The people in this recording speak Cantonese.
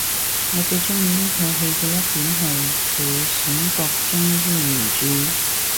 我最鍾意呢套戲嘅一點係佢選角忠於原著